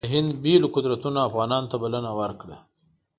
د هند بېلو قدرتونو افغانانو ته بلنه ورکړه.